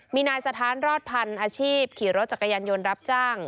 มีนายสถานรอดพันธ์อาชีพขี่รถจักรยานยนต์รับจ้าง